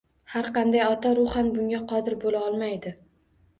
Har qanday ota ruhan bunga qodir bo‘la olmaydi.